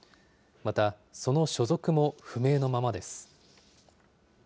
また、その所属も不明のままです。